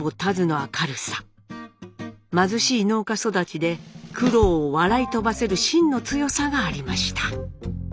貧しい農家育ちで苦労を笑い飛ばせるしんの強さがありました。